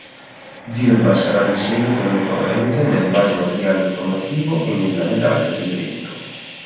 Zirba sarà in seguito ricorrente nel vario materiale informativo e nella medaglia dell'evento.